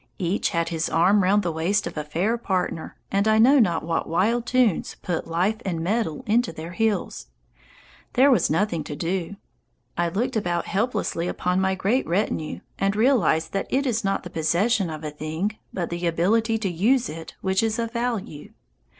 Each had his arm round the waist of a fair partner, and I know not what wild tunes "put life and mettle into their heels." There was nothing to do. I looked about helplessly upon my great retinue, and realized that it is not the possession of a thing but the ability to use it which is of value.